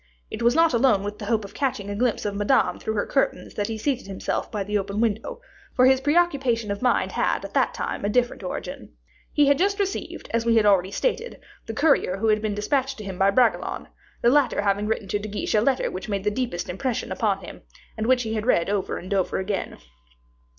It was not alone with the hope of catching a glimpse of Madame through her curtains that he seated himself by the open window for his preoccupation of mind had at that time a different origin. He had just received, as we have already stated, the courier who had been dispatched to him by Bragelonne, the latter having written to De Guiche a letter which had made the deepest impression upon him, and which he had read over and over again.